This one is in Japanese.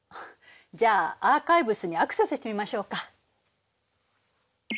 じゃあアーカイブスにアクセスしてみましょうか。